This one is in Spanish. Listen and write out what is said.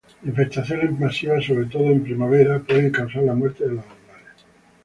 Infestaciones masivas, sobre todo en primavera, pueden causar la muerte de los animales.